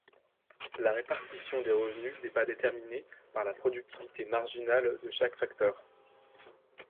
La répartition des revenus n'est pas déterminée par la productivité marginale de chaque facteur.